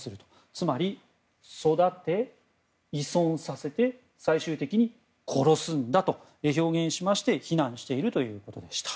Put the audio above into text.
つまり、育て、依存させて最終的に殺すんだと表現しまして非難しているということです。